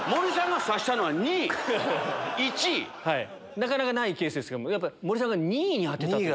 なかなかないケースですけど森さんが２位に当てたという。